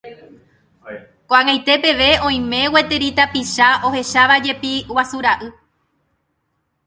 Ko'ag̃aite peve oime gueteri tapicha ohechávajepi guasu ra'y.